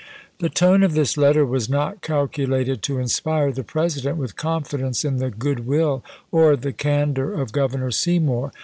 The tone of this letter was not calculated to inspire the President with confidence in the good will or the candor of Governor Seymour.